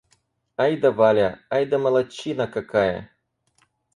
Ай да Валя! Ай да молодчина какая!